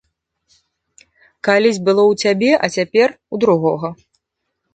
Калісь было ў цябе, а цяпер у другога.